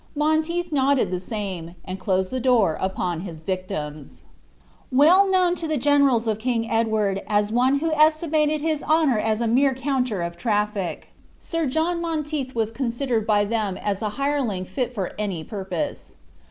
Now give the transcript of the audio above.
Monteith nodded the same, and closed the door upon his victims. Well known to the generals of King Edward as one who estimated his honor as a mere counter of traffic, Sir John Monteith was considered by them all as a hireling fit for any purpose.